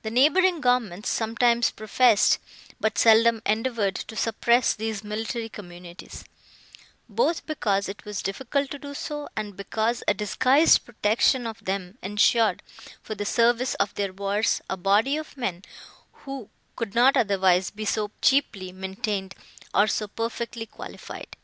The neighbouring governments sometimes professed, but seldom endeavoured, to suppress these military communities; both because it was difficult to do so, and because a disguised protection of them ensured, for the service of their wars, a body of men, who could not otherwise be so cheaply maintained, or so perfectly qualified.